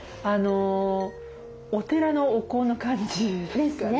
お寺のお香の感じ。ですね。